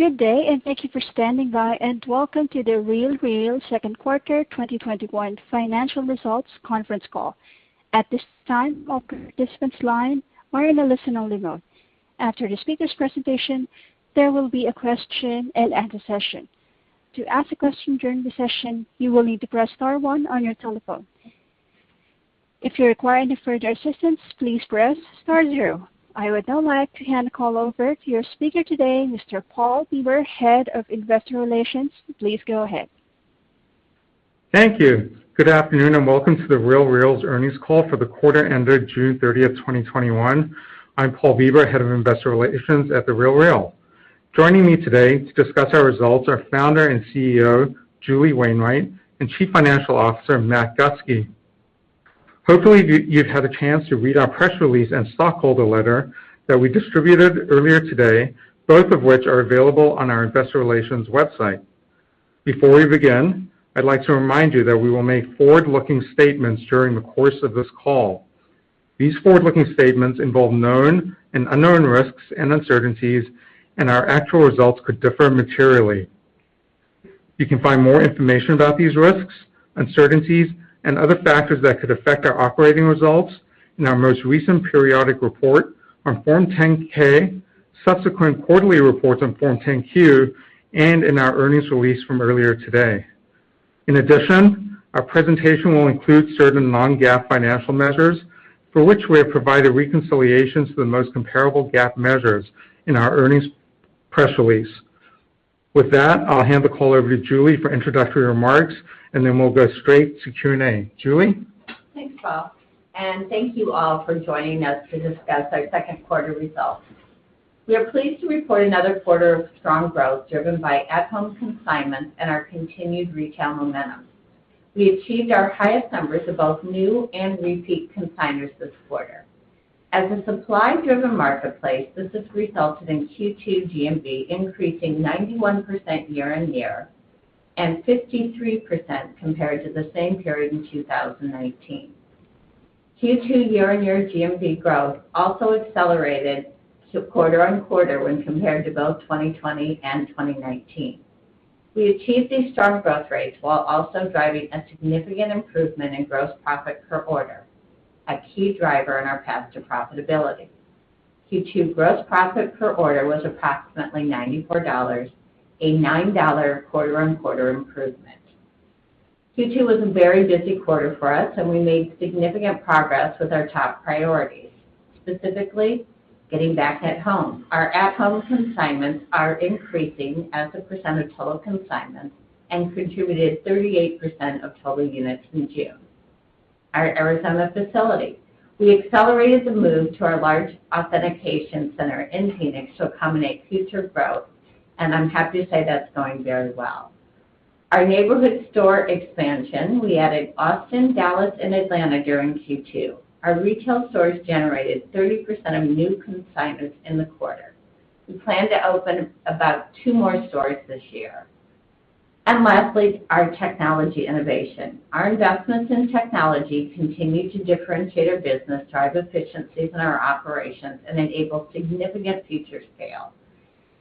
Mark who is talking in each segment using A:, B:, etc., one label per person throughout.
A: Good day, and thank you for standing by, and welcome to The RealReal Second Quarter 2021 Financial Results Conference Call. At this time, all participants line are in a listen-only mode. After the speaker's presentation, there will be a question and answer session. To ask a question during the session, you will need to press star one on your telephone. If you require any further assistance, please press star zero. I would now like to hand the call over to your speaker today, Mr. Paul Bieber, Head of Investor Relations. Please go ahead.
B: Thank you. Good afternoon. Welcome to The RealReal's earnings call for the quarter ended June 30th, 2021. I'm Paul Bieber, Head of Investor Relations at The RealReal. Joining me today to discuss our results are Founder and CEO, Julie Wainwright, and Chief Financial Officer, Matt Gustke. Hopefully, you've had a chance to read our press release and stockholder letter that we distributed earlier today, both of which are available on our investor relations website. Before we begin, I'd like to remind you that we will make forward-looking statements during the course of this call. These forward-looking statements involve known and unknown risks and uncertainties. Our actual results could differ materially. You can find more information about these risks, uncertainties, and other factors that could affect our operating results in our most recent periodic report on Form 10-K, subsequent quarterly reports on Form 10-Q, and in our earnings release from earlier today. In addition, our presentation will include certain non-GAAP financial measures for which we have provided reconciliations to the most comparable GAAP measures in our earnings press release. With that, I'll hand the call over to Julie for introductory remarks, and then we'll go straight to Q&A. Julie?
C: Thanks, Paul. Thank you all for joining us to discuss our second quarter results. We are pleased to report another quarter of strong growth driven by at-home consignments and our continued retail momentum. We achieved our highest numbers of both new and repeat consignors this quarter. As a supply-driven marketplace, this has resulted in Q2 GMV increasing 91% year-on-year, and 53% compared to the same period in 2019. Q2 year-on-year GMV growth also accelerated to quarter-on-quarter when compared to both 2020 and 2019. We achieved these strong growth rates while also driving a significant improvement in gross profit per order, a key driver in our path to profitability. Q2 gross profit per order was approximately $94, a $9 quarter-on-quarter improvement. Q2 was a very busy quarter for us. We made significant progress with our top priorities, specifically getting back at home. Our at-home consignments are increasing as a percent of total consignments and contributed 38% of total units in June. Our Arizona facility, we accelerated the move to our large authentication center in Phoenix to accommodate future growth, and I'm happy to say that's going very well. Our neighborhood store expansion, we added Austin, Dallas, and Atlanta during Q2. Our retail stores generated 30% of new consignments in the quarter. We plan to open about two more stores this year. Lastly, our technology innovation. Our investments in technology continue to differentiate our business, drive efficiencies in our operations, and enable significant future scale.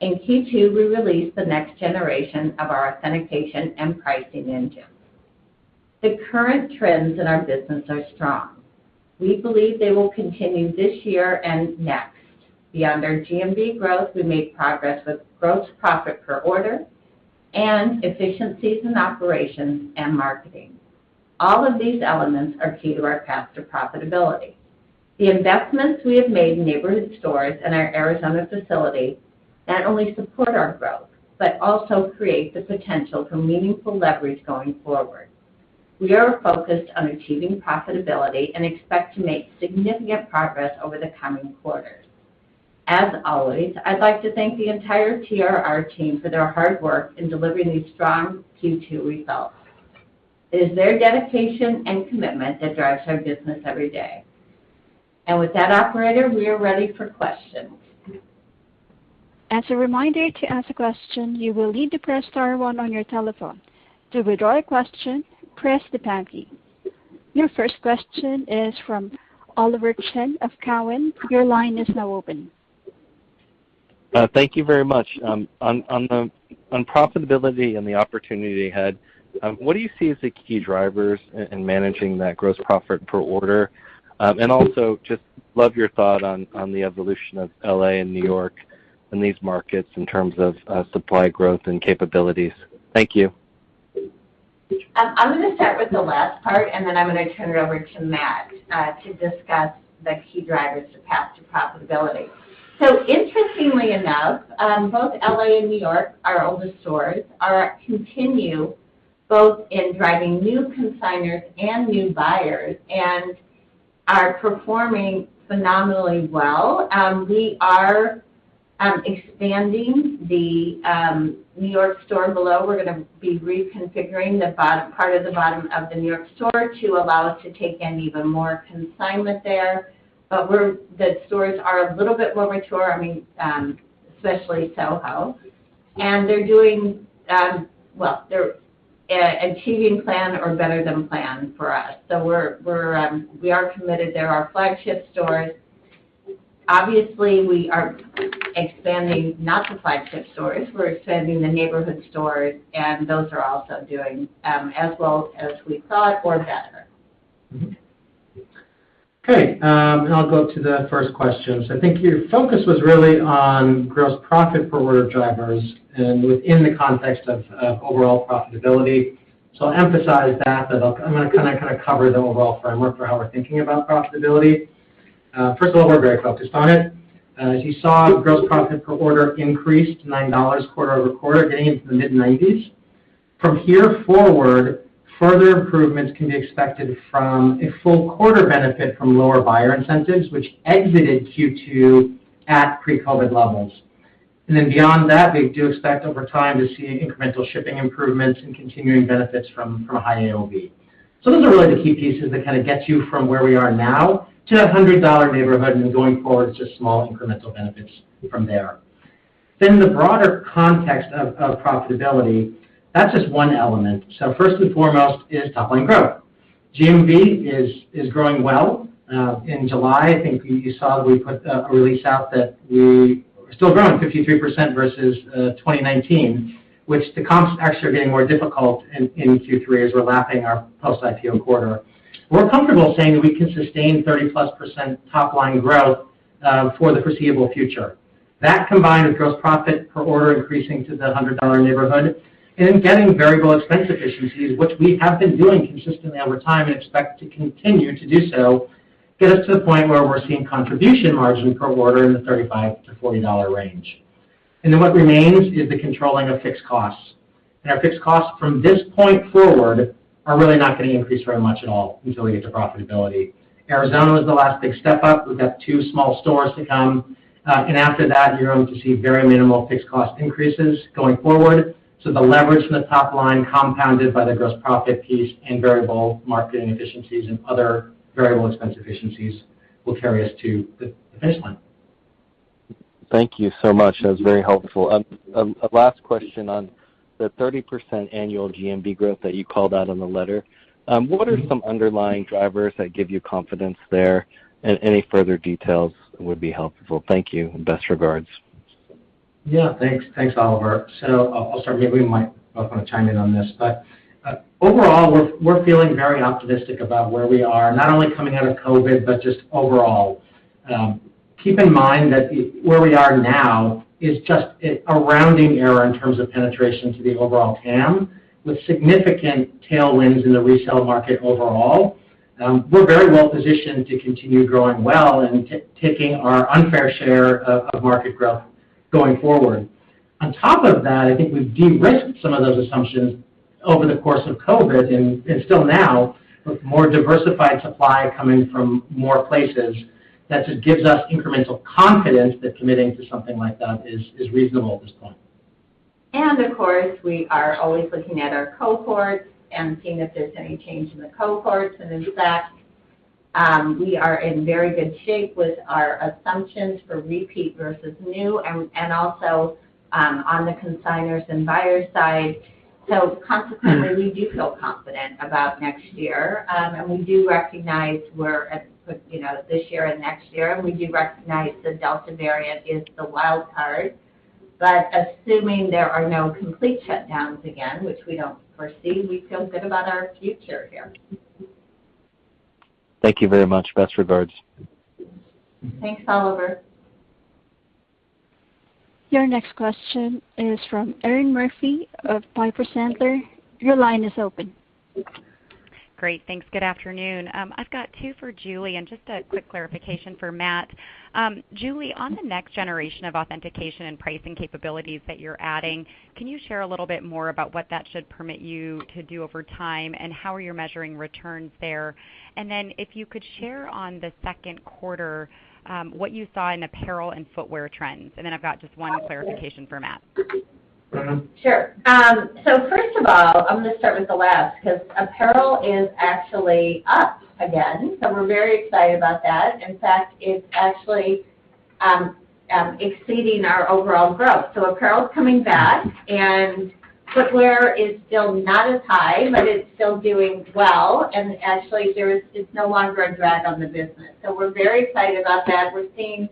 C: In Q2, we released the next generation of our authentication and pricing engine. The current trends in our business are strong. We believe they will continue this year and next. Beyond our GMV growth, we made progress with gross profit per order and efficiencies in operations and marketing. All of these elements are key to our path to profitability. The investments we have made in neighborhood stores and our Arizona facility not only support our growth, but also create the potential for meaningful leverage going forward. We are focused on achieving profitability and expect to make significant progress over the coming quarters. As always, I'd like to thank the entire TRR team for their hard work in delivering these strong Q2 results. It is their dedication and commitment that drives our business every day. With that, operator, we are ready for questions.
A: As a reminder, to ask a question, you will need to press star one on your telephone. To withdraw a question, press the star key. Your first question is from Oliver Chen of Cowen. Your line is now open.
D: Thank you very much. On profitability and the opportunity ahead, what do you see as the key drivers in managing that gross profit per order? Also, just love your thought on the evolution of L.A. and New York and these markets in terms of supply growth and capabilities. Thank you.
C: I'm going to start with the last part, and then I'm going to turn it over to Matt to discuss the key drivers to path to profitability. Interestingly enough, both L.A. and New York, our oldest stores, continue both in driving new consignors and new buyers and are performing phenomenally well. We are expanding the New York store below. We're going to be reconfiguring the part of the bottom of the New York. store to allow us to take in even more consignment there. The stores are a little bit more mature, especially Soho. They're doing, well, they're achieving plan or better than plan for us. We are committed. They're our flagship stores. Obviously, we are expanding not the flagship stores. We're expanding the neighborhood stores, and those are also doing as well as we thought or better.
E: Okay. I'll go to the first question. I think your focus was really on gross profit per order drivers and within the context of overall profitability. I'll emphasize that, but I'm going to kind of cover the overall framework for how we're thinking about profitability. First of all, we're very focused on it. As you saw, gross profit per order increased $9 quarter-over-quarter, getting into the mid-90s. From here forward, further improvements can be expected from a full quarter benefit from lower buyer incentives, which exited Q2 at pre-COVID levels. Beyond that, we do expect over time to see incremental shipping improvements and continuing benefits from high AOV. Those are really the key pieces that kind of get you from where we are now to that $100 neighborhood, and then going forward, it's just small incremental benefits from there. The broader context of profitability, that's just one element. First and foremost is top-line growth. GMV is growing well. In July, I think you saw we put a release out that we are still growing 53% versus 2019, which the comps actually are getting more difficult in Q3 as we're lapping our post-IPO quarter. We're comfortable saying that we can sustain 30-plus% top-line growth for the foreseeable future. That, combined with gross profit per order increasing to the $100 neighborhood and getting variable expense efficiencies, which we have been doing consistently over time and expect to continue to do so, get us to the point where we're seeing contribution margin per order in the $35-$40 range. Then what remains is the controlling of fixed costs, and our fixed costs from this point forward are really not going to increase very much at all until we get to profitability. Arizona was the last big step up. We've got two small stores to come, and after that, you're going to see very minimal fixed cost increases going forward. The leverage in the top line, compounded by the gross profit piece and variable marketing efficiencies and other variable expense efficiencies, will carry us to the finish line.
D: Thank you so much. That was very helpful. A last question on the 30% annual GMV growth that you called out in the letter. What are some underlying drivers that give you confidence there? Any further details would be helpful. Thank you, and best regards.
E: Yeah. Thanks, Oliver. I'll start, maybe you both want to chime in on this, but overall, we're feeling very optimistic about where we are, not only coming out of COVID, but just overall. Keep in mind that where we are now is just a rounding error in terms of penetration to the overall TAM. With significant tailwinds in the resale market overall, we're very well positioned to continue growing well and taking our unfair share of market growth going forward. On top of that, I think we've de-risked some of those assumptions over the course of COVID, and still now, with more diversified supply coming from more places. That just gives us incremental confidence that committing to something like that is reasonable at this point.
C: Of course, we are always looking at our cohorts and seeing if there's any change in the cohorts. In fact, we are in very good shape with our assumptions for repeat versus new, and also on the consignors and buyers side. Consequently, we do feel confident about next year. We do recognize this year and next year, and we do recognize the Delta variant is the wild card. Assuming there are no complete shutdowns again, which we don't foresee, we feel good about our future here.
D: Thank you very much. Best regards.
C: Thanks, Oliver.
A: Your next question is from Erinn Murphy of Piper Sandler. Your line is open.
F: Great. Thanks. Good afternoon. I've got two for Julie and just a quick clarification for Matt. Julie, on the next generation of authentication and pricing capabilities that you're adding, can you share a little bit more about what that should permit you to do over time, and how are you measuring returns there? If you could share on the second quarter, what you saw in apparel and footwear trends. I've got just one clarification for Matt.
C: Sure. First of all, I'm going to start with the last, because apparel is actually up again. We're very excited about that. In fact, it's actually exceeding our overall growth. Apparel is coming back, and footwear is still not as high, but it's still doing well. Actually, it's no longer a drag on the business. We're very excited about that. We're seeing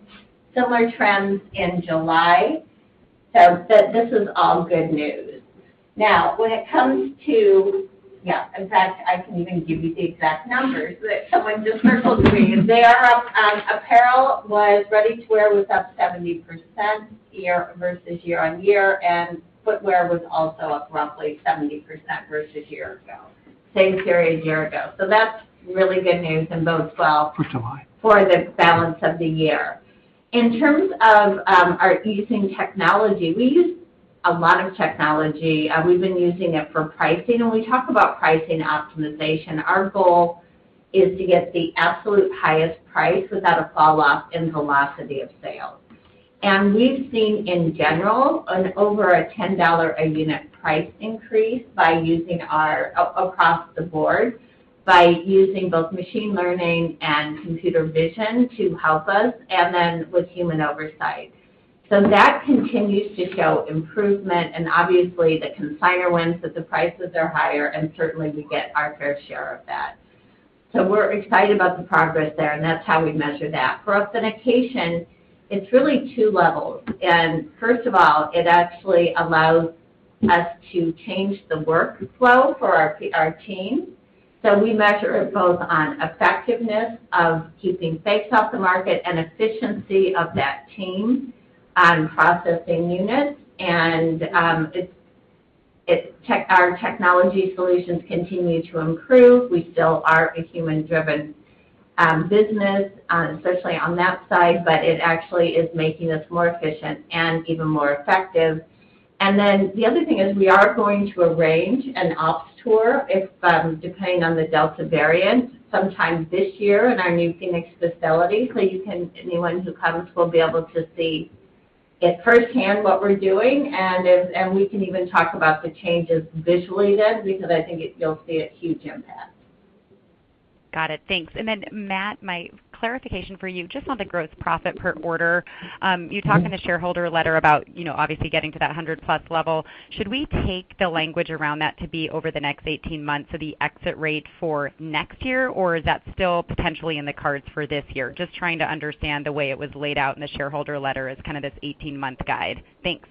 C: similar trends in July. This is all good news. Now, when it comes to. In fact, I can even give you the exact numbers that someone just circled for me. They are up. Ready-to-wear was up 70% versus year-on-year, and footwear was also up roughly 70% versus a year ago, same period a year ago. That's really good news and bodes well.
E: For July.
C: For the balance of the year. In terms of our using technology, we use a lot of technology. We've been using it for pricing. When we talk about pricing optimization, our goal is to get the absolute highest price without a fall off in velocity of sales. We've seen, in general, an over a $10 a unit price increase across the board by using both machine learning and computer vision to help us, and then with human oversight. That continues to show improvement, and obviously the consignor wins that the prices are higher, and certainly we get our fair share of that. We're excited about the progress there, and that's how we measure that. For authentication, it's really two levels. First of all, it actually allows us to change the workflow for our team. We measure it both on effectiveness of keeping fakes off the market and efficiency of that team on processing units. Our technology solutions continue to improve. We still are a human-driven business, especially on that side, but it actually is making us more efficient and even more effective. The other thing is we are going to arrange an ops tour, depending on the Delta variant, sometime this year in our new Phoenix facility. Anyone who comes will be able to see it firsthand what we're doing, and we can even talk about the changes visually then, because I think you'll see a huge impact.
F: Got it. Thanks. Then Matt, my clarification for you, just on the gross profit per order. You talk in the shareholder letter about obviously getting to that $100-plus level. Should we take the language around that to be over the next 18 months of the exit rate for next year? Or is that still potentially in the cards for this year? Just trying to understand the way it was laid out in the shareholder letter as kind of this 18-month guide. Thanks.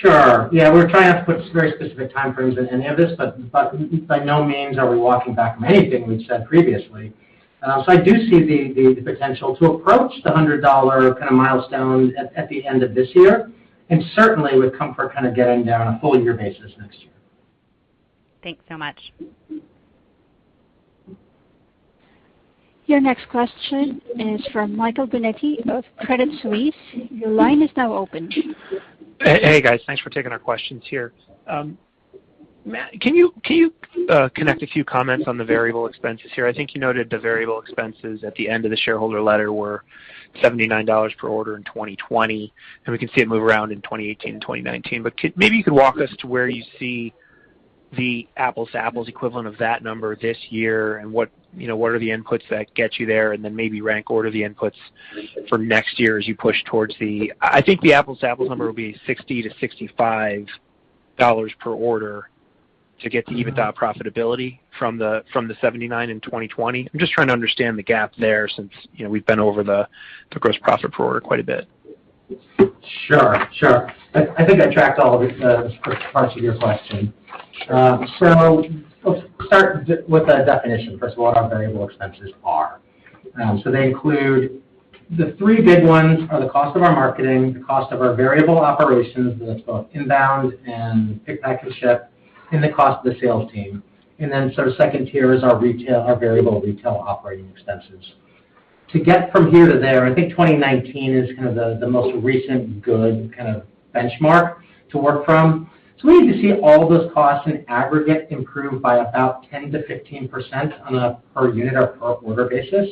E: Sure. Yeah, we're trying not to put very specific time frames in any of this, but by no means are we walking back from anything we've said previously. I do see the potential to approach the $100 kind of milestone at the end of this year, and certainly with comfort kind of getting there on a full year basis next year.
F: Thanks so much.
A: Your next question is from Michael Binetti of Credit Suisse. Your line is now open.
G: Hey, guys. Thanks for taking our questions here. Matt, can you connect a few comments on the variable expenses here? I think you noted the variable expenses at the end of the shareholder letter were $79 per order in 2020. We can see it move around in 2018 and 2019. Maybe you could walk us to where you see the apples to apples equivalent of that number this year and what are the inputs that get you there. Then maybe rank order the inputs for next year as you push towards the I think the apples to apples number will be $60-$65 per order to get to EBITDA profitability from the $79 in 2020. I'm just trying to understand the gap there since we've been over the gross profit per order quite a bit.
E: Sure. I think I tracked all the parts of your question. Let's start with a definition, first of all, of what our variable expenses are. They include the three big ones are the cost of our marketing, the cost of our variable operations, that's both inbound and pick, pack, and ship, and the cost of the sales team. Then second tier is our variable retail operating expenses. To get from here to there, I think 2019 is kind of the most recent good kind of benchmark to work from. We need to see all those costs in aggregate improve by about 10%-15% on a per unit or per order basis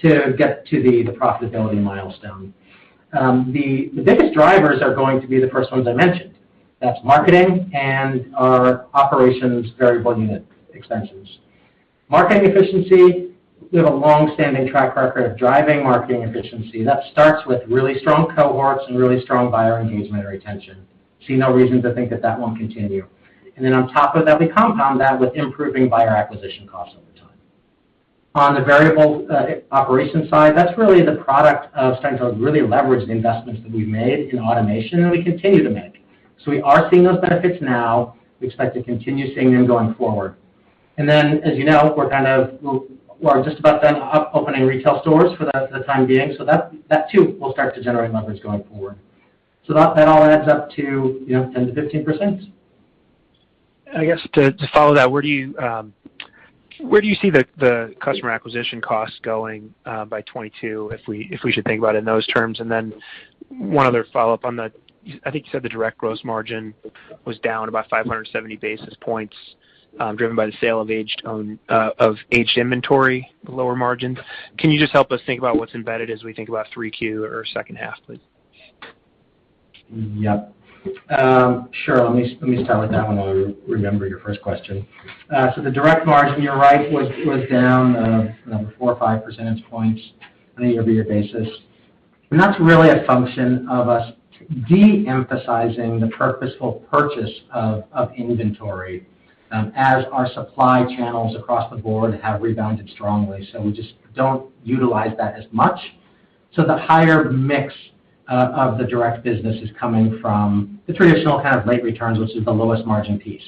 E: to get to the profitability milestone. The biggest drivers are going to be the first ones I mentioned. That's marketing and our operations variable unit expenses. Marketing efficiency, we have a long-standing track record of driving marketing efficiency. That starts with really strong cohorts and really strong buyer engagement and retention. See no reason to think that that won't continue. On top of that, we compound that with improving buyer acquisition costs over time. On the variable operations side, that's really the product of starting to really leverage the investments that we've made in automation, and we continue to make. We are seeing those benefits now. We expect to continue seeing them going forward. As you know, we're just about done opening retail stores for the time being. That too will start to generate leverage going forward. That all adds up to 10%-15%.
G: I guess to follow that, where do you see the customer acquisition costs going by 2022, if we should think about it in those terms? One other follow-up on the, I think you said the direct gross margin was down about 570 basis points, driven by the sale of aged inventory, the lower margins. Can you just help us think about what's embedded as we think about 3Q or second half, please?
E: Yep. Sure. Let me start with that one while I remember your first question. The direct margin, you're right, was down four or five percentage points on a year-over-year basis. That's really a function of us de-emphasizing the purposeful purchase of inventory as our supply channels across the board have rebounded strongly. We just don't utilize that as much. The higher mix of the direct business is coming from the traditional kind of late returns, which is the lowest margin piece.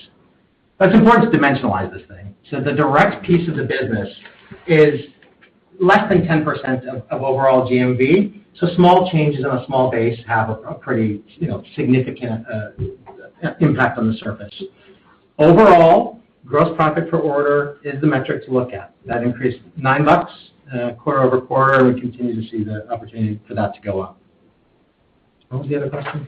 E: It's important to dimensionalize this thing. The direct piece of the business is less than 10% of overall GMV, so small changes on a small base have a pretty significant impact on the surface. Overall, gross profit per order is the metric to look at. That increased $9 quarter-over-quarter. We continue to see the opportunity for that to go up. What was the other question?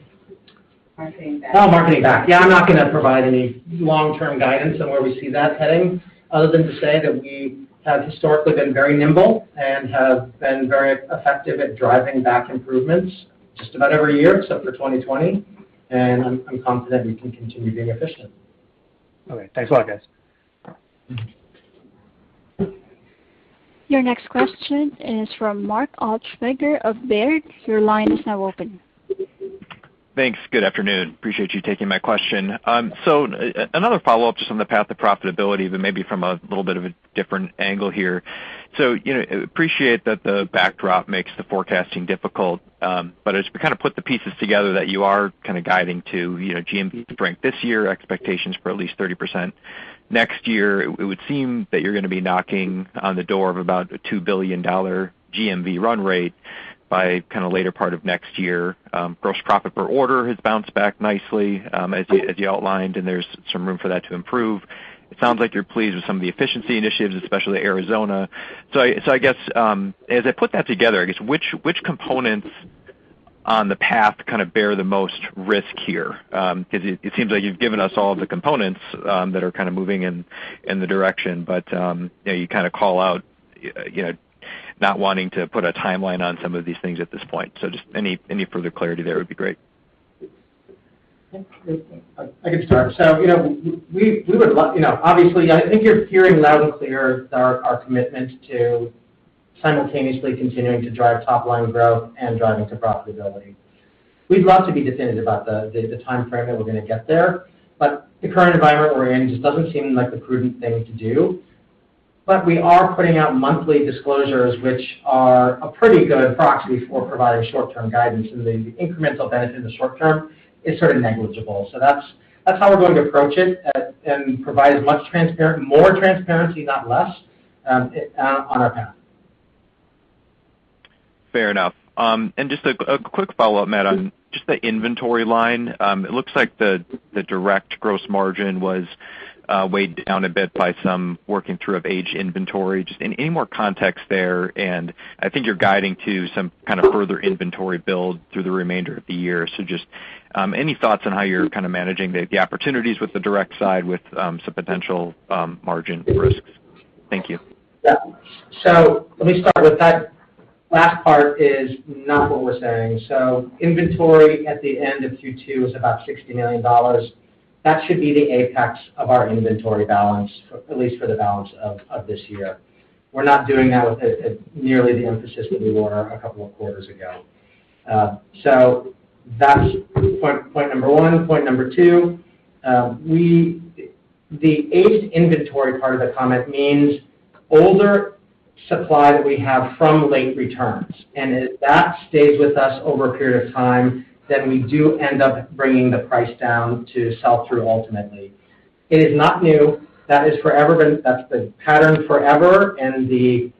C: Marketing back.
E: Marketing back. Yeah, I'm not going to provide any long-term guidance on where we see that heading, other than to say that we have historically been very nimble and have been very effective at driving back improvements just about every year except for 2020, and I'm confident we can continue being efficient.
G: Okay. Thanks a lot, guys.
C: All right.
A: Your next question is from Mark Altschwager of Baird. Your line is now open.
H: Thanks. Good afternoon. Appreciate you taking my question. Another follow-up just on the path to profitability, but maybe from a little bit of a different angle here. Appreciate that the backdrop makes the forecasting difficult, but as we kind of put the pieces together that you are kind of guiding to GMV to break this year, expectations for at least 30% next year, it would seem that you're going to be knocking on the door of about a $2 billion GMV run rate by later part of next year. Gross profit per order has bounced back nicely, as you outlined, and there's some room for that to improve. It sounds like you're pleased with some of the efficiency initiatives, especially Arizona. I guess, as I put that together, I guess, which components on the path kind of bear the most risk here? It seems like you've given us all of the components that are kind of moving in the direction, but you kind of call out not wanting to put a timeline on some of these things at this point. Just any further clarity there would be great.
E: I can start. Obviously, I think you're hearing loud and clear our commitment to simultaneously continuing to drive top-line growth and driving to profitability. We'd love to be definitive about the timeframe that we're going to get there, but the current environment we're in just doesn't seem like the prudent thing to do. We are putting out monthly disclosures, which are a pretty good proxy for providing short-term guidance, and the incremental benefit in the short term is sort of negligible. That's how we're going to approach it and provide as much transparent, more transparency, not less, on our path.
H: Fair enough. Just a quick follow-up, Matt, on just the inventory line. It looks like the direct gross margin was weighed down a bit by some working through of aged inventory. Just any more context there, and I think you're guiding to some kind of further inventory build through the remainder of the year. Just, any thoughts on how you're kind of managing the opportunities with the direct side, with some potential margin risks? Thank you.
E: Yeah. Let me start with that. Last part is not what we're saying. Inventory at the end of Q2 is about $60 million. That should be the Apex of our inventory balance, at least for the balance of this year. We're not doing that with nearly the emphasis that we were a couple of quarters ago. That's point number one. Point number two, the aged inventory part of the comment means older supply that we have from late returns. If that stays with us over a period of time, then we do end up bringing the price down to sell through ultimately. It is not new. That's been pattern forever, and the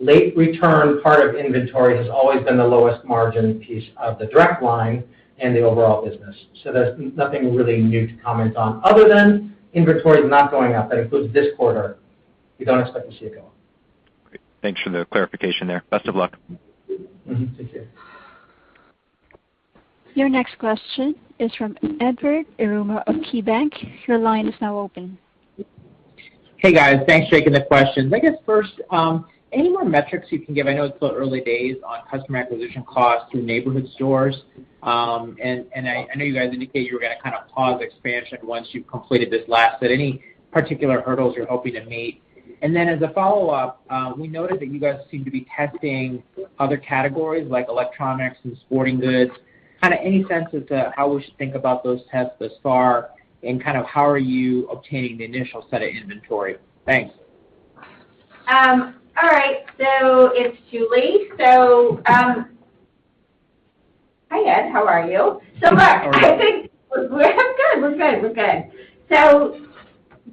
E: late return part of inventory has always been the lowest margin piece of the direct line in the overall business. There's nothing really new to comment on other than inventory is not going up. That includes this quarter. We don't expect to see it go up.
H: Great. Thanks for the clarification there. Best of luck.
E: Mm-hmm. Take care.
A: Your next question is from Edward Yruma of KeyBanc Capital Markets. Your line is now open.
I: Hey, guys. Thanks for taking the questions. I guess first, any more metrics you can give, I know it's still early days, on customer acquisition costs through neighborhood stores? I know you guys indicated you were going to kind of pause expansion once you've completed this last bit. Any particular hurdles you're hoping to meet? As a follow-up, we noted that you guys seem to be testing other categories like electronics and sporting goods. Kind of any sense as to how we should think about those tests thus far, and kind of how are you obtaining the initial set of inventory? Thanks.
C: All right. It's Julie. Hi, Ed. How are you?
I: How are you?
C: I'm good.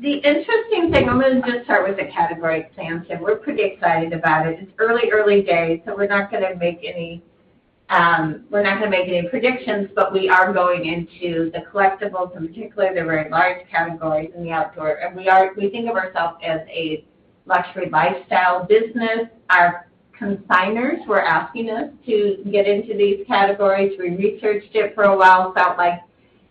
C: The interesting thing, I'm going to just start with the category expansion. We're pretty excited about it. It's early days, so we're not going to make any predictions, but we are going into the collectibles in particular. They're very large categories in the outdoor, and we think of ourselves as a luxury lifestyle business. Our consignors were asking us to get into these categories. We researched it for a while, felt like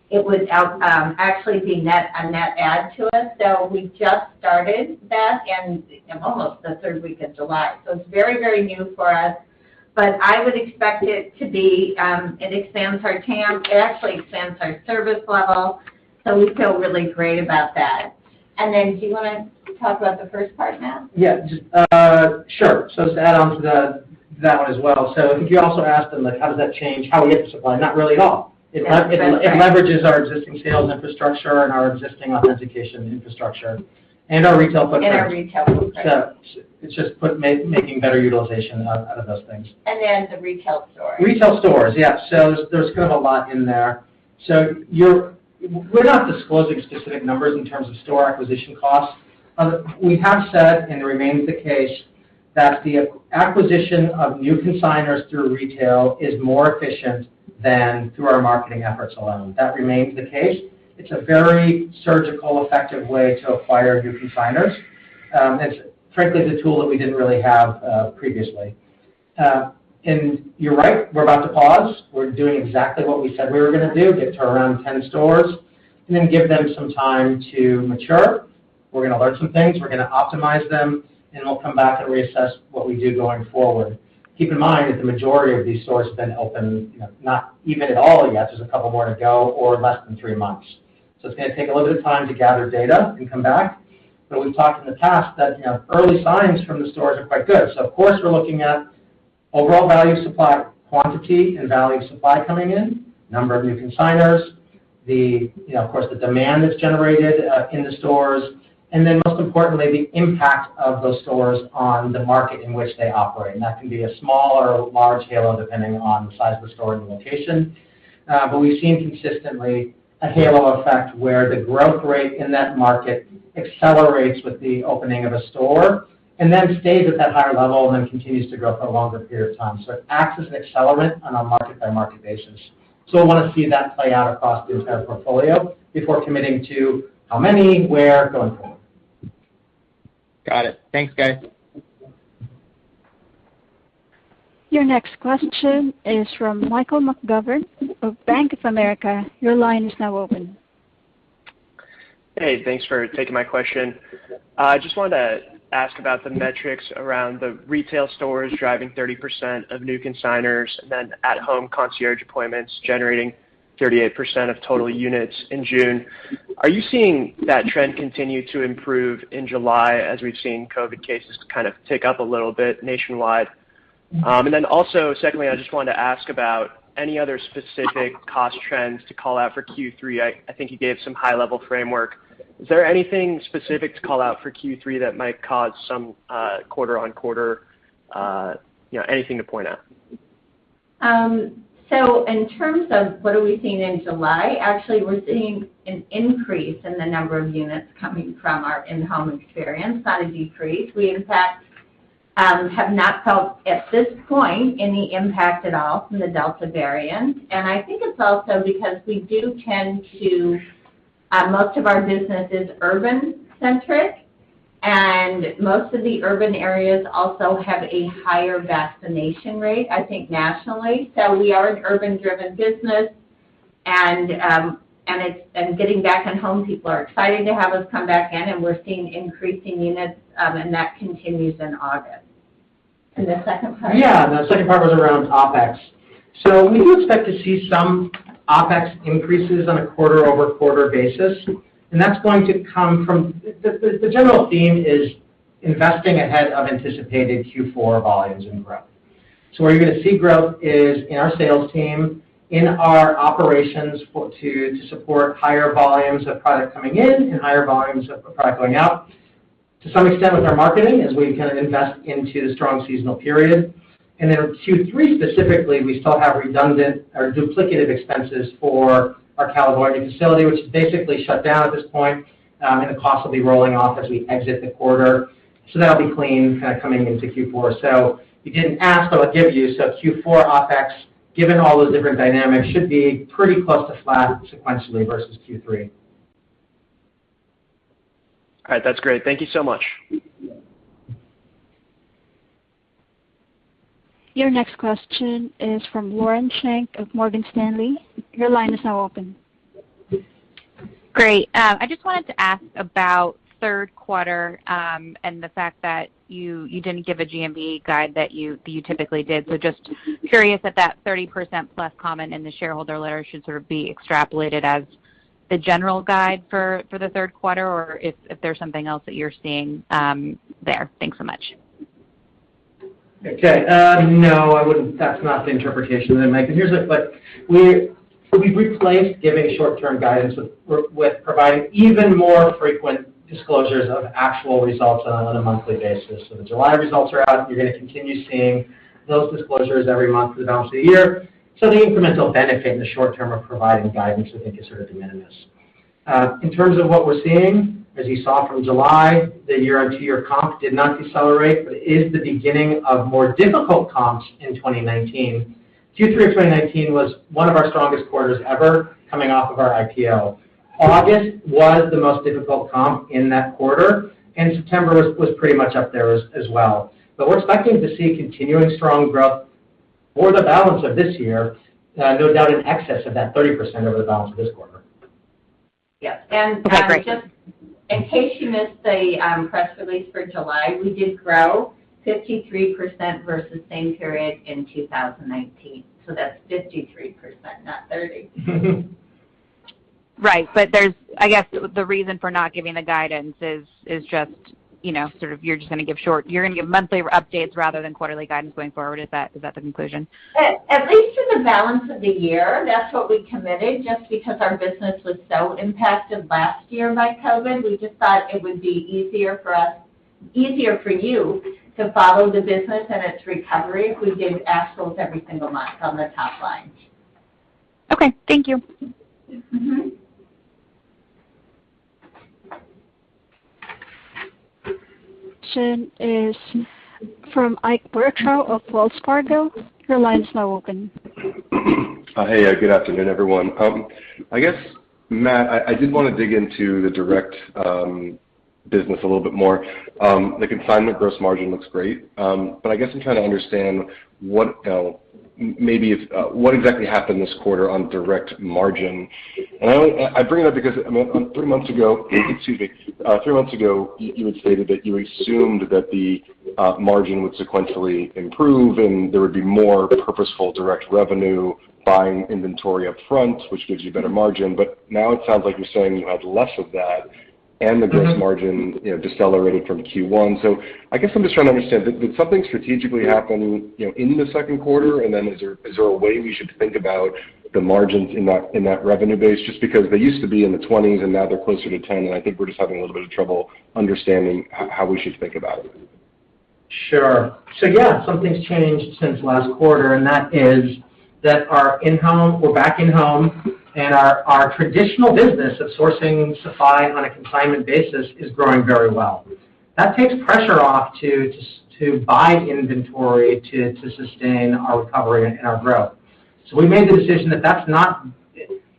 C: it would actually be a net add to us. We just started that in almost the third week of July, so it's very new for us. I would expect it to be, it expands our TAM, it actually expands our service level. We feel really great about that. Do you want to talk about the first part, Matt?
E: Yeah. Sure. To add on to that one as well. I think you also asked on how does that change how we get to supply? Not really at all.
C: That's correct.
E: It leverages our existing sales infrastructure and our existing authentication infrastructure and our retail footprints.
C: Our retail footprints.
E: It's just making better utilization out of those things.
C: The retail stores.
E: Retail stores, yeah. There's kind of a lot in there. We're not disclosing specific numbers in terms of store acquisition costs. We have said, and it remains the case, that the acquisition of new consignors through retail is more efficient than through our marketing efforts alone. That remains the case. It's a very surgical, effective way to acquire new consignors. It's frankly the tool that we didn't really have previously. You're right, we're about to pause. We're doing exactly what we said we were going to do, get to around 10 stores, give them some time to mature. We're going to learn some things. We're going to optimize them, we'll come back and reassess what we do going forward. Keep in mind that the majority of these stores have been open not even at all yet, just a couple more to go, or less than three months. It's going to take a little bit of time to gather data and come back. We've talked in the past that early signs from the stores are quite good. Of course, we're looking at overall value supply quantity and value supply coming in, number of new consignors, of course the demand that's generated in the stores, and then most importantly, the impact of those stores on the market in which they operate. That can be a small or large halo depending on the size of the store and the location. We've seen consistently a halo effect where the growth rate in that market accelerates with the opening of a store, and then stays at that higher level and then continues to grow for a longer period of time. It acts as an accelerant on a market-by-market basis. We want to see that play out across the entire portfolio before committing to how many, where, going forward.
I: Got it. Thanks, guys.
A: Your next question is from Michael McGovern of Bank of America. Your line is now open.
J: Hey, thanks for taking my question. I just wanted to ask about the metrics around the retail stores driving 30% of new consignors, then at home concierge appointments generating 38% of total units in June. Are you seeing that trend continue to improve in July as we've seen COVID cases kind of tick up a little bit nationwide? Also, secondly, I just wanted to ask about any other specific cost trends to call out for Q3. I think you gave some high-level framework. Is there anything specific to call out for Q3 that might cause some quarter-on-quarter, anything to point out?
C: In terms of what are we seeing in July, actually, we're seeing an increase in the number of units coming from our in-home experience, not a decrease. We, in fact, have not felt, at this point, any impact at all from the Delta variant. I think it's also because most of our business is urban-centric, and most of the urban areas also have a higher vaccination rate, I think, nationally. We are an urban-driven business, and getting back in home, people are excited to have us come back in, and we're seeing increasing units, and that continues in August. The second part?
E: The second part was around OpEx. We do expect to see some OpEx increases on a quarter-over-quarter basis, and that's going to come from The general theme is investing ahead of anticipated Q4 volumes and growth. Where you're going to see growth is in our sales team, in our operations to support higher volumes of product coming in, and higher volumes of product going out. To some extent with our marketing, as we kind of invest into the strong seasonal period. In Q3 specifically, we still have redundant or duplicative expenses for our California facility, which is basically shut down at this point, and the cost will be rolling off as we exit the quarter. That'll be clean coming into Q4. You didn't ask, but I'll give you, Q4 OpEx, given all those different dynamics, should be pretty close to flat sequentially versus Q3.
J: All right. That's great. Thank you so much.
A: Your next question is from Lauren Schenk of Morgan Stanley.
K: Great. I just wanted to ask about third quarter, and the fact that you didn't give a GMV guide that you typically did. Just curious if that 30%+ comment in the shareholder letter should sort of be extrapolated as the general guide for the third quarter, or if there's something else that you're seeing there. Thanks so much.
E: Okay. No, that's not the interpretation that I make. Here's it, but we've replaced giving short-term guidance with providing even more frequent disclosures of actual results on a monthly basis. The July results are out. You're going to continue seeing those disclosures every month for the balance of the year. The incremental benefit in the short term of providing guidance, I think, is sort of de minimis. In terms of what we're seeing, as you saw from July, the year-over-year comp did not decelerate, but it is the beginning of more difficult comps in 2019. Q3 of 2019 was one of our strongest quarters ever, coming off of our IPO. August was the most difficult comp in that quarter, and September was pretty much up there as well. We're expecting to see continuing strong growth for the balance of this year, no doubt in excess of that 30% over the balance of this quarter.
K: Okay, great.
C: Just in case you missed the press release for July, we did grow 53% versus same period in 2019. That's 53%, not 30.
K: Right. I guess the reason for not giving the guidance is just you're going to give monthly updates rather than quarterly guidance going forward. Is that the conclusion?
C: At least for the balance of the year. That's what we committed. Just because our business was so impacted last year by COVID, we just thought it would be easier for you to follow the business and its recovery if we gave actuals every single month on the top line.
K: Okay. Thank you.
A: Next question is from Ike Boruchow of Wells Fargo. Your line is now open.
L: Hey. Good afternoon, everyone. I guess, Matt, I did want to dig into the direct business a little bit more. The consignment gross margin looks great. I guess I'm trying to understand what exactly happened this quarter on direct margin. I bring that because three months ago, excuse me, three months ago, you had stated that you assumed that the margin would sequentially improve, and there would be more purposeful direct revenue buying inventory up front, which gives you better margin. Now it sounds like you're saying you had less of that. The gross margin decelerated from Q1. I guess I'm just trying to understand, did something strategically happen in the second quarter? Is there a way we should think about the margins in that revenue basis? Just because they used to be in the 20s and now they're closer to 10, and I think we're just having a little bit of trouble understanding how we should think about it.
E: Sure. Yeah, something's changed since last quarter, and that is that our in-home, we're back in-home, and our traditional business of sourcing supply on a consignment basis is growing very well. That takes pressure off to buy inventory to sustain our recovery and our growth. We made the decision that,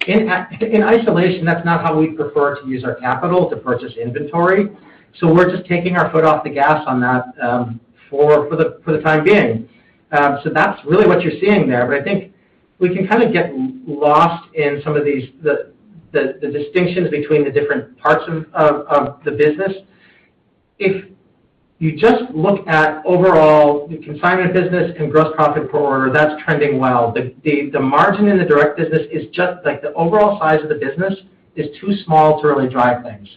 E: in isolation, that's not how we prefer to use our capital to purchase inventory. We're just taking our foot off the gas on that for the time being. That's really what you're seeing there. I think we can kind of get lost in some of the distinctions between the different parts of the business. If you just look at overall consignment business and gross profit per order, that's trending well. The margin in the direct business, just the overall size of the business, is too small to really drive things.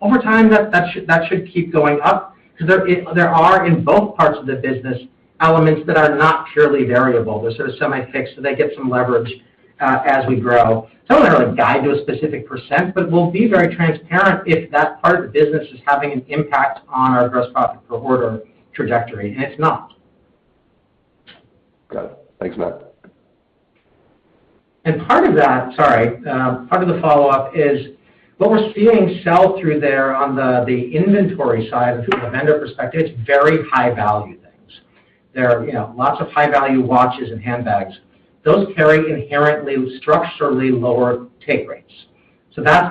E: Over time, that should keep going up because there are, in both parts of the business, elements that are not purely variable. They're sort of semi-fixed, they get some leverage as we grow. It's not really a guide to a specific percent, we'll be very transparent if that part of the business is having an impact on our gross profit per order trajectory, and it's not.
L: Got it. Thanks, Matt.
E: Part of that, sorry, part of the follow-up is what we're seeing sell through there on the inventory side from a vendor perspective, it's very high-value things. There are lots of high-value watches and handbags. Those carry inherently structurally lower take rates.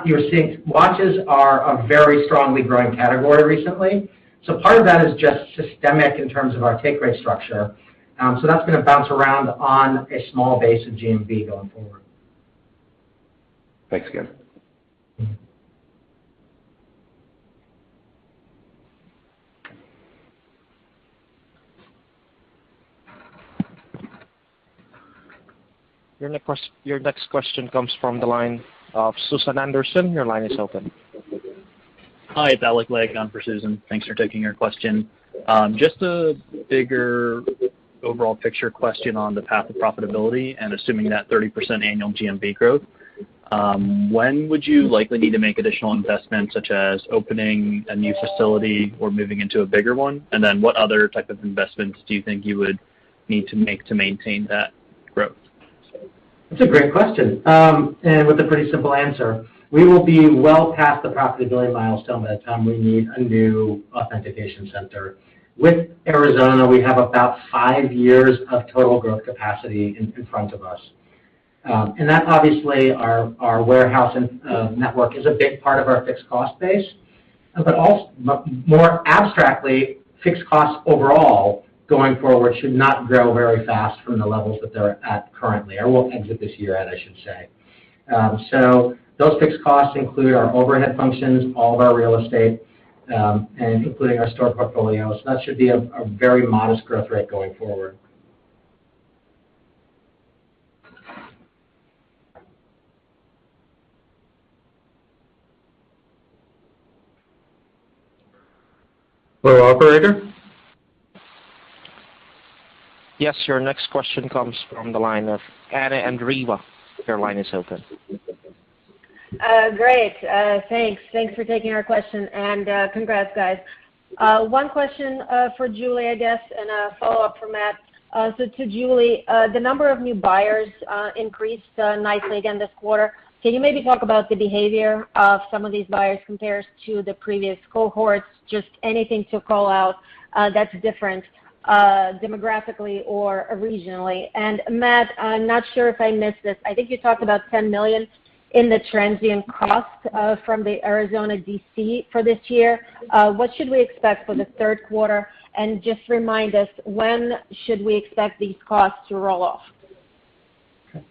E: You're seeing watches are a very strongly growing category recently. Part of that is just systemic in terms of our take rate structure. That's going to bounce around on a small base of GMV going forward.
L: Thanks again.
A: Your next question comes from the line of Susan Anderson. Your line is open.
M: Hi, Alec Legg on for Susan. Thanks for taking our question. Just a bigger overall picture question on the path to profitability and assuming that 30% annual GMV growth. When would you likely need to make additional investments, such as opening a new facility or moving into a bigger one? Then what other type of investments do you think you would need to make to maintain that growth?
E: That's a great question, and with a pretty simple answer. We will be well past the profitability milestone by the time we need a new authentication center. With Arizona, we have about five years of total growth capacity in front of us. That's obviously our warehouse network is a big part of our fixed cost base. More abstractly, fixed costs overall going forward should not grow very fast from the levels that they're at currently, or will exit this year at, I should say. Those fixed costs include our overhead functions, all of our real estate, and including our store portfolio. That should be a very modest growth rate going forward.
B: Hello, operator?
A: Yes, your next question comes from the line of Anna Andreeva. Your line is open.
N: Great. Thanks for taking our question, and congrats, guys. One question for Julie, I guess, and a follow-up from Matt. To Julie, the number of new buyers increased nicely again this quarter. Can you maybe talk about the behavior of some of these buyers compares to the previous cohorts? Just anything to call out that's different demographically or regionally. Matt, I'm not sure if I missed this. I think you talked about $10 million in the transient cost from the Arizona DC for this year. What should we expect for the third quarter? Just remind us, when should we expect these costs to roll off?
E: Okay.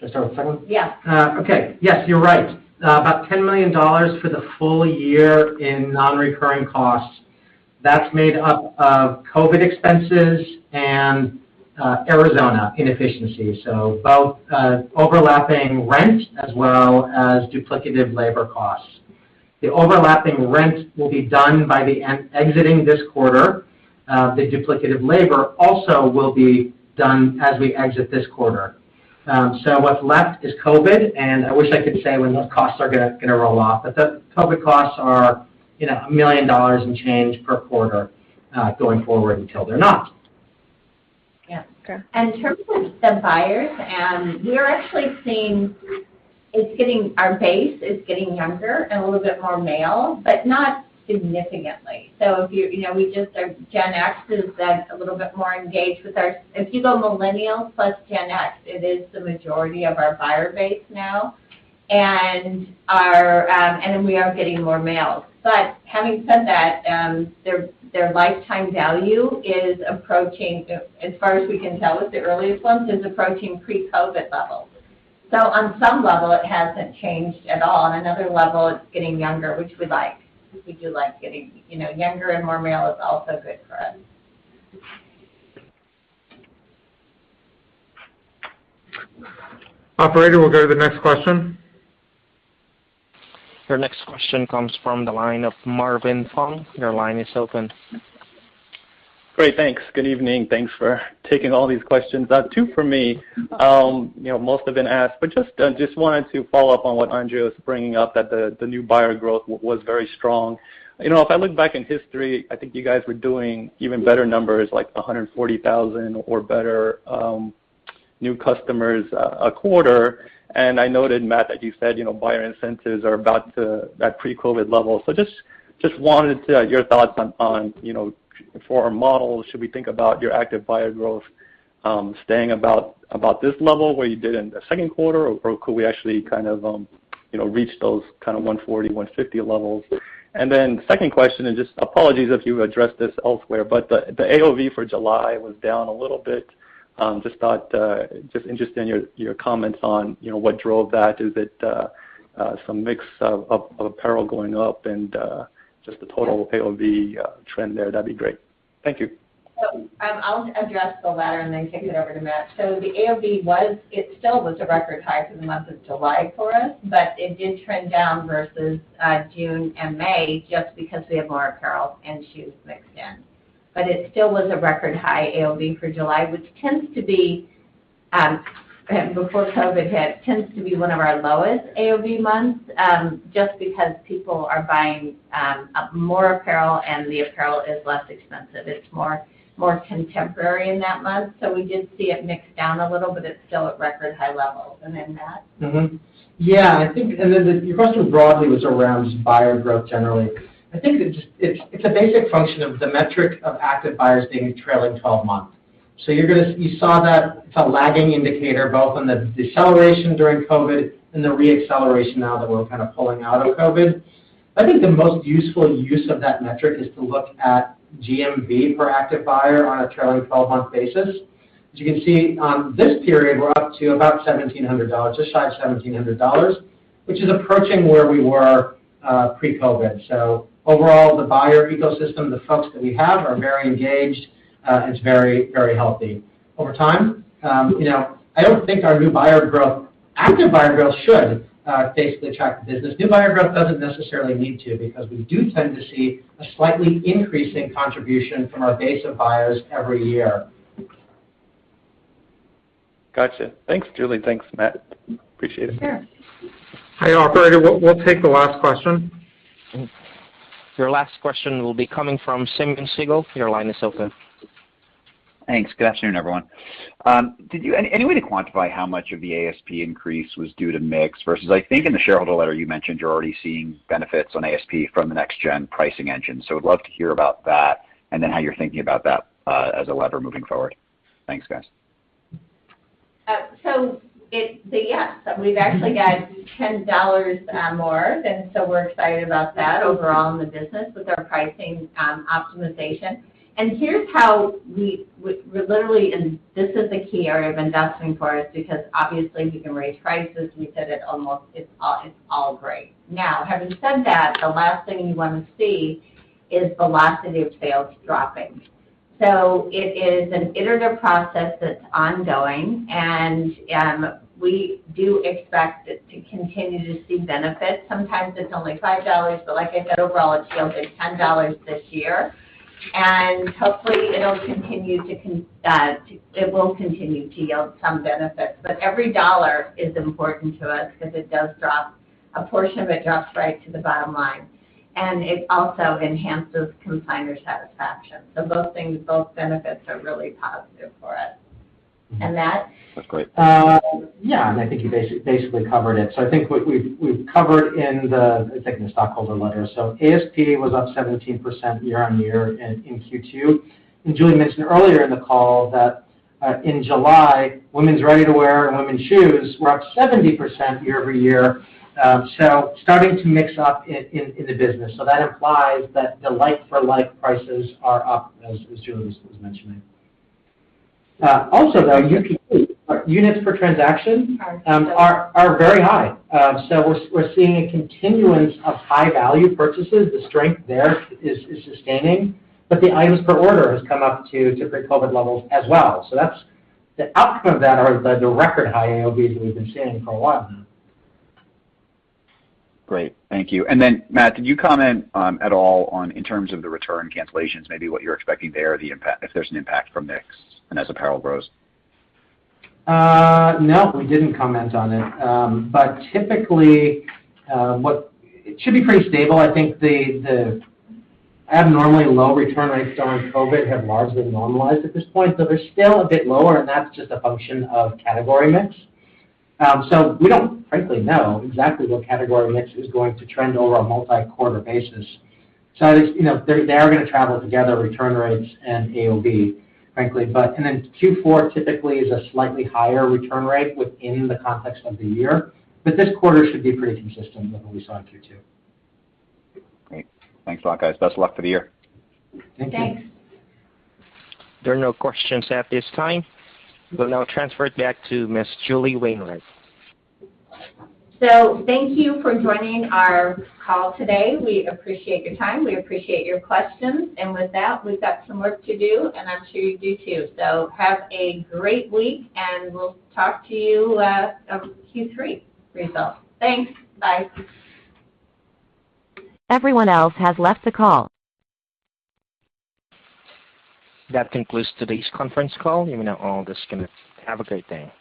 E: Should I start with the second one?
N: Yeah.
E: Okay. Yes, you're right. About $10 million for the full year in non-recurring costs. That's made up of COVID expenses and Arizona inefficiencies, so both overlapping rent as well as duplicative labor costs. The overlapping rent will be done by the end exiting this quarter. The duplicative labor also will be done as we exit this quarter. What's left is COVID, and I wish I could say when those costs are going to roll off. The COVID costs are $1 million and change per quarter, going forward until they're not.
N: Yeah.
E: Okay.
C: In terms of the buyers, we're actually seeing our base is getting younger and a little bit more male, but not significantly. Gen X is a little bit more engaged with our If you go millennial plus Gen X, it is the majority of our buyer base now. We are getting more males. Having said that, their lifetime value is approaching, as far as we can tell with the earliest ones, is approaching pre-COVID levels. On some level, it hasn't changed at all, and another level, it's getting younger, which we like. We do like getting younger and more male is also good for us.
B: Operator, we'll go to the next question.
A: Your next question comes from the line of Marvin Fong. Your line is open.
O: Great. Thanks. Good evening. Thanks for taking all these questions. Two from me. Most have been asked. Just wanted to follow up on what Andrea was bringing up, that the new buyer growth was very strong. If I look back in history, I think you guys were doing even better numbers, like 140,000 or better new customers a quarter. I noted, Matt, that you said buyer incentives are about at pre-COVID levels. Just wanted your thoughts on, for our model, should we think about your active buyer growth staying about this level, where you did in the second quarter, or could we actually reach those kind of 140,000-150,000 levels? Second question. Just apologies if you addressed this elsewhere, the AOV for July was down a little bit. Just interested in your comments on what drove that. Is it some mix of apparel going up and just the total AOV trend there, that'd be great. Thank you.
C: I'll address the latter and then kick it over to Matt. The AOV, it still was a record high for the month of July for us, but it did trend down versus June and May just because we have more apparel and shoes mixed in. It still was a record high AOV for July, which tends to be, before COVID hit, tends to be one of our lowest AOV months, just because people are buying more apparel and the apparel is less expensive. It's more contemporary in that month. We did see it mix down a little, but it's still at record high levels. Then Matt.
E: Yeah. I think your question broadly was around buyer growth generally. I think it's a basic function of the metric of active buyers being a trailing 12-month. You saw that it's a lagging indicator both on the deceleration during COVID and the re-acceleration now that we're kind of pulling out of COVID. I think the most useful use of that metric is to look at GMV per active buyer on a trailing 12-month basis. As you can see, on this period, we're up to about $1,700, just shy of $1,700, which is approaching where we were pre-COVID. Overall, the buyer ecosystem, the folks that we have are very engaged. It's very, very healthy. Over time, I don't think our new buyer growth, active buyer growth should basically track the business. New buyer growth doesn't necessarily need to, because we do tend to see a slightly increasing contribution from our base of buyers every year.
O: Gotcha. Thanks, Julie. Thanks, Matt. Appreciate it.
C: Sure.
B: Hey, operator, we'll take the last question.
A: Your last question will be coming from Simeon Siegel. Your line is open.
P: Thanks. Good afternoon, everyone. Any way to quantify how much of the ASP increase was due to mix versus, I think in the shareholder letter you mentioned you're already seeing benefits on ASP from the next gen pricing engine? Would love to hear about that and then how you're thinking about that as a lever moving forward. Thanks, guys.
C: Yes. We've actually got $10 more, and so we're excited about that overall in the business with our pricing optimization. Here's how we literally, and this is a key area of investing for us because obviously if you can raise prices, we said it almost, it's all great. Having said that, the last thing you want to see is velocity of sales dropping. It is an iterative process that's ongoing, and we do expect to continue to see benefits. Sometimes it's only $5, but like I said, overall it's yielded $10 this year. Hopefully it will continue to yield some benefits. Every dollar is important to us because a portion of it drops right to the bottom line, and it also enhances consignor satisfaction. Both things, both benefits are really positive for us. Matt.
P: That's great.
E: Yeah, I think you basically covered it. I think what we've covered in the technical stockholder letter. ASP was up 17% year-over-year in Q2. Julie mentioned earlier in the call that in July, women's ready-to-wear and women's shoes were up 70% year-over-year. Starting to mix up in the business. That implies that the like for like prices are up, as Julie was mentioning. Also, though, UPT, units per transaction. Are still. Are very high. We're seeing a continuance of high-value purchases. The strength there is sustaining, but the items per order has come up to pre-COVID levels as well. The outcome of that are the record high AOVs that we've been seeing for a while.
P: Great. Thank you. Matt, did you comment at all on, in terms of the return cancellations, maybe what you're expecting there, if there's an impact from mix and as apparel grows?
E: No, we didn't comment on it. Typically, it should be pretty stable. I think the abnormally low return rates during COVID have largely normalized at this point, but they're still a bit lower, and that's just a function of category mix. We don't frankly know exactly what category mix is going to trend over a multi-quarter basis. They are going to travel together, return rates and AOV, frankly. Q4 typically is a slightly higher return rate within the context of the year, but this quarter should be pretty consistent with what we saw in Q2.
P: Great. Thanks a lot, guys. Best of luck for the year.
E: Thank you.
C: Thanks.
A: There are no questions at this time. We'll now transfer it back to Ms. Julie Wainwright.
C: Thank you for joining our call today. We appreciate your time. We appreciate your questions. With that, we've got some work to do, and I'm sure you do too. Have a great week, and we'll talk to you of Q3 results. Thanks. Bye.
A: Everyone else has left the call. That concludes today's conference call. You may now disconnect. Have a great day.